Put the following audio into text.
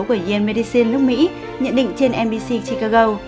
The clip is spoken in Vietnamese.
của yen medicine nước mỹ nhận định trên nbc chicago